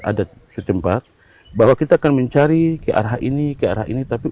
ada setempat bahwa kita akan mencari ke arah ini ke arah ini tapi